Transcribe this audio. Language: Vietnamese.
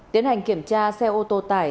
tiến hành kiểm tra xe ô tô tải